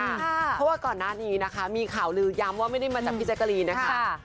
เพราะว่าก่อนหน้านี้นะคะมีข่าวลือย้ำว่าไม่ได้มาจากพี่แจ๊กกะรีนนะคะ